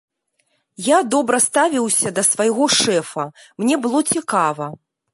Я добра ставіўся да свайго шэфа, мне было цікава.